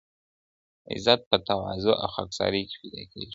عزت په تواضع او خاکسارۍ کي پیدا کېږي.